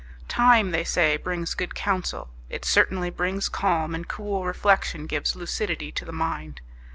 Time, they say, brings good counsel; it certainly brings calm, and cool reflection gives lucidity to the mind.